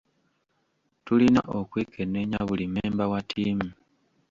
Tulina okwekenneenya buli mmemba wa ttiimu.